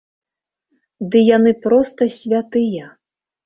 Ды яны проста святыя!